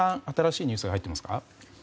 新しいニュースは入っていますか？